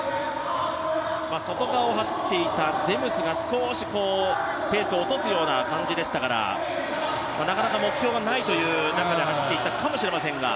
外側を走っていたゼムスが少しペースを落とすような感じでしたからなかなか、目標がない中で走っていたかもしれません。